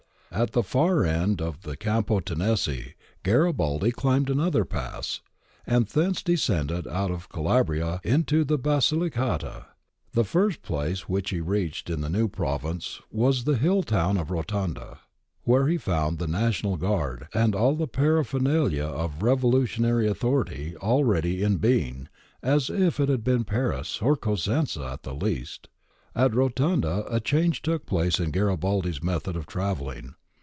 At the far end of the Campo Tenese Garibaldi climbed another pass,^ and thence descended out of Calabria into the BasiHcata. The first place which he reached in the new province was the hill town of Rotonda, where he found the National Guard and all the paraphernalia of revolutionary auth ority already in being, as if it had been Paris, or Cosenza at the least. ^ At Rotonda a change took place in Garibaldi's method of travelling.